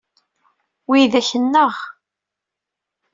Widak nneɣ.